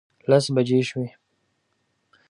لس بجې شوې.